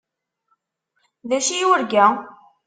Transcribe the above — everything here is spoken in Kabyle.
D acu i yurga?